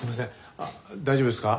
あっ大丈夫ですか？